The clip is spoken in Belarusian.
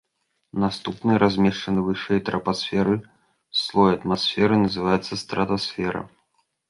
Наступны, размешчаны вышэй трапасферы, слой атмасферы называецца стратасфера.